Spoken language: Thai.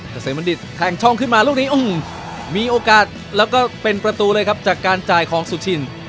เกษมบัณฑิตแทงช่องขึ้นมาลูกนี้มีโอกาสแล้วก็เป็นประตูเลยครับจากการจ่ายของสุชิน